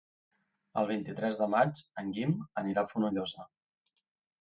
El vint-i-tres de maig en Guim anirà a Fonollosa.